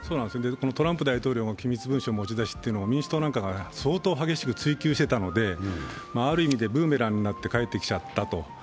トランプ大統領の機密文書持ち出しというのを民主党などが相当激しく追及していたので、ある意味でブーメランになって帰ってきちゃったと。